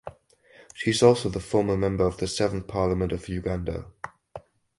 She is also the former member of the seventh Parliament of Uganda.